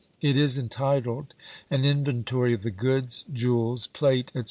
It is entitled "An Inventory of the Goods, Jewels, Plate, &c.